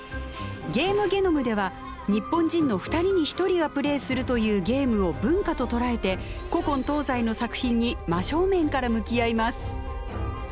「ゲームゲノム」では日本人の２人に１人がプレーするというゲームを文化と捉えて古今東西の作品に真正面から向き合います。